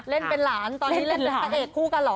เล่นเป็นหลานตอนนี้เล่นเป็นพระเอกคู่กันเหรอ